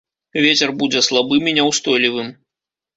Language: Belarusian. Вецер будзе слабым і няўстойлівым.